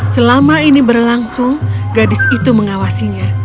selama ini berlangsung gadis itu mengawasinya